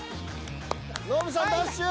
ノブさんダッシュ！